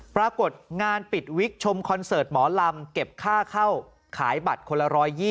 ปรากฏงานปิดวิกชมคอนเสิร์ตหมอลำเก็บค่าเข้าขายบัตรคนละ๑๒๐